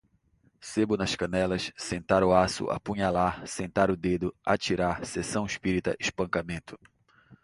sebo nas canelas, sentar o aço, apunhalar, sentar o dedo, atirar, sessão espírita, espancamento